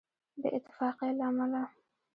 بې اتفاقۍ له امله.